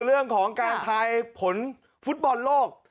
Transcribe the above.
เรื่องของการทายผลฟุตบอลโลก